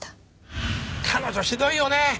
彼女ひどいよね。